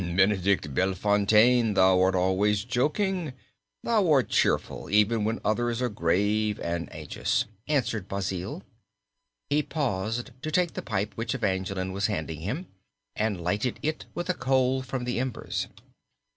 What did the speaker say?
"Benedict Bellefontaine, thou art always joking. Thou art cheerful even when others are grave and anxious," answered Basil. He paused to take the pipe which Evangeline was handing him, and lighted it with a coal from the embers.